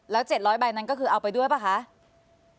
แล้วเจ็ดร้อยใบนั้นก็คือเอาไปด้วยไหมครับ